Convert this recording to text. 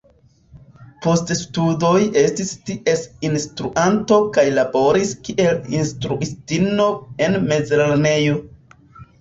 Post studoj estis ties instruanto kaj laboris kiel instruistino en mezlernejo.